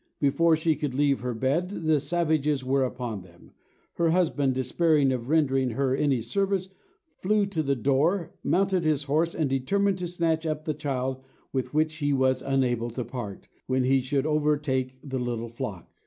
Before she could leave her bed, the savages were upon them. Her husband, despairing of rendering her any service, flew to the door, mounted his horse, and determined to snatch up the child with which he was unable to part, when he should overtake the little flock.